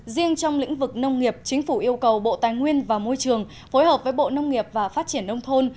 riêng trong lĩnh vực nông nghiệp chính phủ yêu cầu bộ tài nguyên và môi trường phối hợp với bộ nông nghiệp và phát triển nông thôn